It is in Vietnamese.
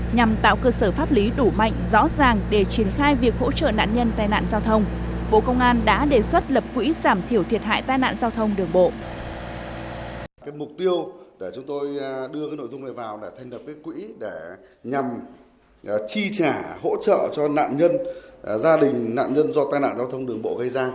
nhằm tạo cơ sở pháp lý đủ mạnh rõ ràng để triển khai việc hỗ trợ nạn nhân tai nạn giao thông bộ công an đã đề xuất lập quỹ giảm thiểu thiệt hại tai nạn giao thông đường bộ